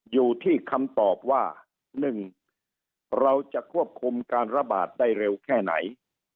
อยู่ที่คำตอบว่า๑เราจะควบคุมการระบาดได้เร็วแค่ไหน